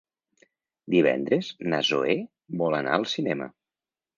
Divendres na Zoè vol anar al cinema.